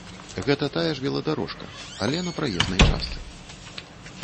Гэта тая ж веладарожка, але на праезнай частцы.